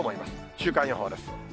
週間予報です。